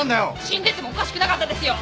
死んでてもおかしくなかったですよ！